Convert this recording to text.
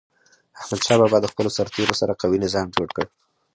احمدشاه بابا د خپلو سرتېرو سره قوي نظام جوړ کړ.